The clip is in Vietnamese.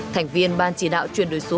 thành viên ban chỉ đạo chuyển đổi số